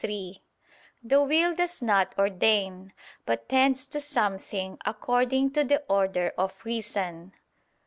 3: The will does not ordain, but tends to something according to the order of reason.